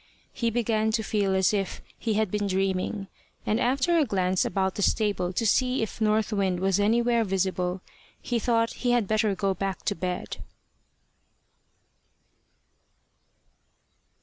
He began to feel as if he had been dreaming, and after a glance about the stable to see if North Wind was anywhere visible, he thought he had better go back to bed.